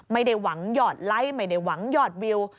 ไม่ได้หวังหยอดไลค์ไม่ได้หวังหยอดวิว